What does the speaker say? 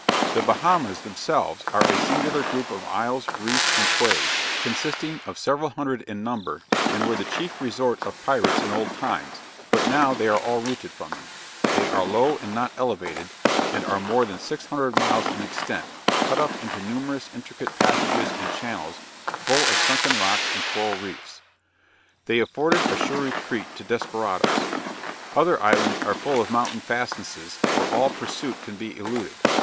The Bahamas, themselves are a singular group of isles, reefs and quays; consisting of several hundred in number, and were the chief resort of pirates in old times, but now they are all rooted from them; they are low and not elevated, and are more than 600 miles in extent, cut up into numerous intricate passages and channels, full of sunken rocks and coral reefs. They afforded a sure retreat to desperadoes. Other islands are full of mountain fastnesses, where all pursuit can be eluded.